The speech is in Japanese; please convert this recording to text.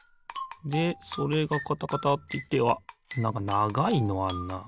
でそれがカタカタっていってあっなんかながいのあんな。